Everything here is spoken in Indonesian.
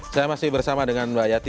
saya masih bersama dengan mbak yati